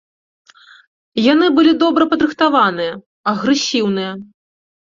Яны былі добра падрыхтаваныя, агрэсіўныя.